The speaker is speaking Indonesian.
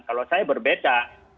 kalau saya berbeda